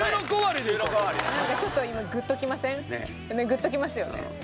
グッときますよね。